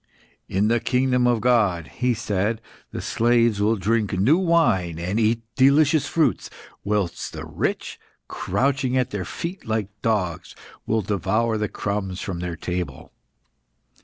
"In the kingdom of God," he said, "the slaves will drink new wine and eat delicious fruits; whilst the rich, crouching at their feet like dogs, will devour the crumbs from their table."